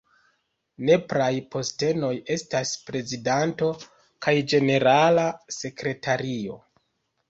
Nepraj postenoj estas prezidanto kaj ĝenerala sekretario.